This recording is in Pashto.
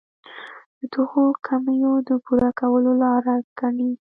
د دغو کمیو د پوره کولو لاره ګڼي.